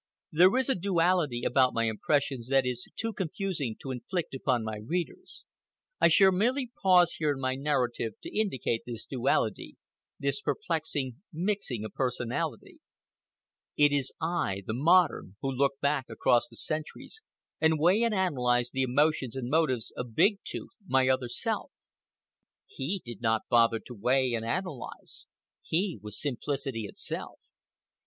There is a duality about my impressions that is too confusing to inflict upon my readers. I shall merely pause here in my narrative to indicate this duality, this perplexing mixing of personality. It is I, the modern, who look back across the centuries and weigh and analyze the emotions and motives of Big Tooth, my other self. He did not bother to weigh and analyze. He was simplicity itself.